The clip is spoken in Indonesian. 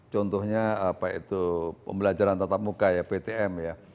contohnya pembelajaran tatap muka ya ptm ya